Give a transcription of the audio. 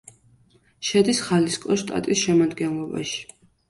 შედის ხალისკოს შტატის შემადგენლობაში.